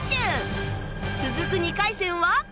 続く２回戦は